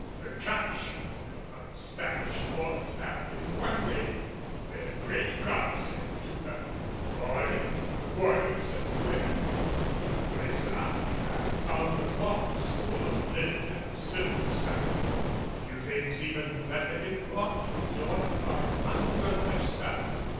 The capture of the Spanish Fort had in one way been a great godsend to her. For in the quarters of the women, De Brésac had found a box full of linen and silks and a few things even that had been brought to Florida by Mademoiselle herself.